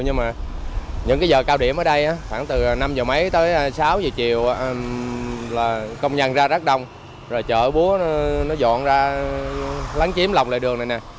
nhưng mà những cái giờ cao điểm ở đây khoảng từ năm h mấy tới sáu h chiều là công nhân ra rác đông rồi chợ búa nó dọn ra lấn chiếm lồng lề đường này nè